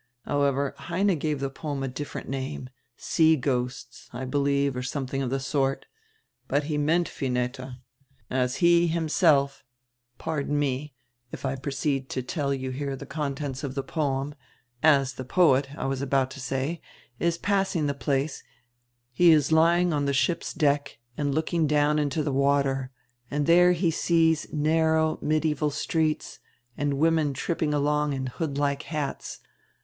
However, Heine gave the poem a different name, 'Sea Ghosts,' I helieve, or something of the sort. But he meant Vineta. As he himself— pardon me, if I proceed to tell you here the contents of the poem — as the poet, I was ahout to say, is passing the place, he is lying on the ship's deck and looking down into the water, and there he sees narrow, medieval streets, and women tripping along in hoodlike hats.